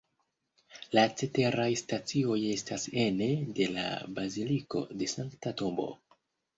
La ceteraj stacioj estas ene de la Baziliko de la Sankta Tombo.